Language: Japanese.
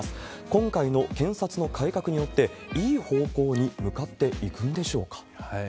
今回の検察の改革によって、いい方向に向かっていくんでしょうか。